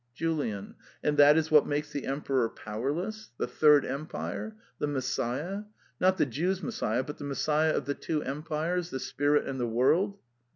JULIAN. And that is what makes the emperor powerless? The third empire? The Messiah? Not the Jews' Messiah, but the Messiah of the two empires, the spirit and the world?